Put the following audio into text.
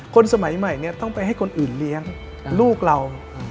คนสมัยใหม่เนี่ยต้องไปให้คนอื่นเลี้ยงลูกเรา